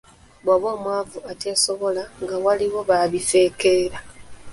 "Bw’oba omwavu ateesobola, nga waliwo ba bifeekeera."